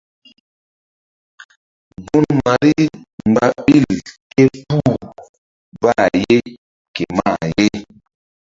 Gun Mari mgba ɓil ké puh bqh ye ke mah ye.